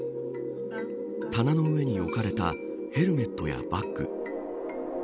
棚の上に置かれたヘルメットやバッグ。